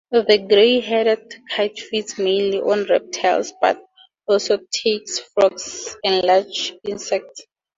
The gray-headed kite feeds mainly on reptiles, but also takes frogs and large insects.